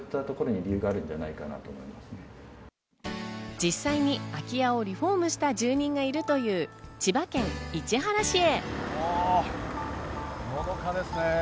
実際に空き家をリフォームした住人がいるという千葉県市原市へ。